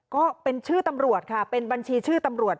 ก็เป็นชื่อตำรวจค่ะเป็นบัญชีชื่อตำรวจ